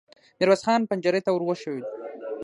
ميرويس خان پنجرې ته ور وښويېد.